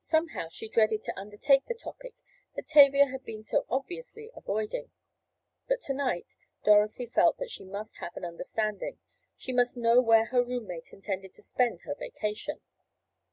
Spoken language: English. Somehow she dreaded to undertake the topic that Tavia had been so obviously avoiding. But to night Dorothy felt that she must have an understanding—she must know where her room mate intended to spend her vacation.